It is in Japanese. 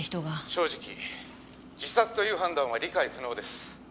「正直自殺という判断は理解不能です」